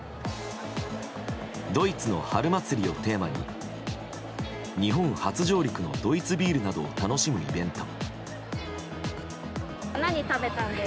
「ドイツの春祭り」をテーマに日本初上陸のドイツビールなどを楽しむイベント。